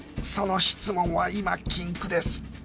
その質問は今禁句です！